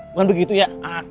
bukan begitu ya